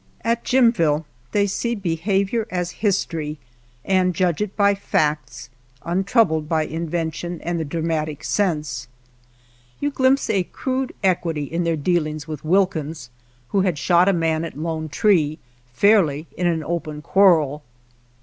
At Jimville they see behavior as history and judge it by facts, untroubled by invention and the dra matic sense. You glimpse a crude equity in their dealings with Wilkins, who had shot a man at Lone Tree, fairly, in an open quarrel.